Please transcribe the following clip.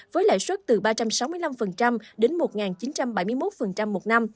với lãi suất từ ba trăm sáu mươi năm đến một chín trăm bảy mươi một một năm